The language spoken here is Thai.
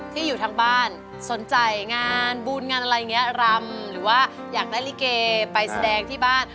ที่อยู่ทางบ้านสนใจงานบุญงานอะไรอย่างนี้รำหรือว่าอยากได้ลิเกไปแสดงที่บ้าน